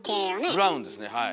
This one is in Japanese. ブラウンですねはい。